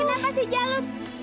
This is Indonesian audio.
kenapa si jalu